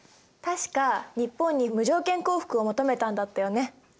確か日本に無条件降伏を求めたんだったよね。